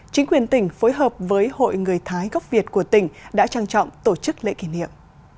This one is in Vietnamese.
chính quyền tỉnh phối hợp với hội người thái gốc việt của tỉnh đã trang trọng tổ chức lễ kỷ niệm